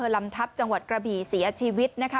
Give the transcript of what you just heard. ลำทัพจังหวัดกระบี่เสียชีวิตนะคะ